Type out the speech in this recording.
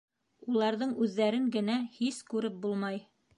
Уларҙың үҙҙәрен генә һис күреп булмай.